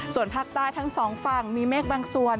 ส่วนภาคใต้ทั้งสองฝั่งมีเมฆบางส่วน